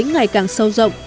ngày càng sâu rộng